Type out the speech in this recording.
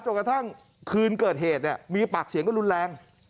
กระทั่งคืนเกิดเหตุเนี่ยมีปากเสียงกันรุนแรง